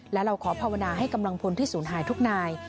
และเราขอภาวนาให้กำลังพลที่ศูนย์หายทุกนาย